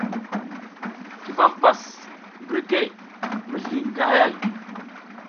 Ki vam hipas mbirke mizliy ngi hayay ?